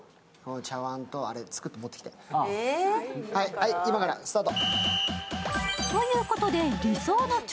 はい、今からスタート。